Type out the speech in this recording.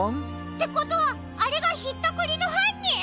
ってことはあれがひったくりのはんにん！？